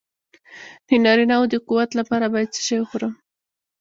د نارینه وو د قوت لپاره باید څه شی وخورم؟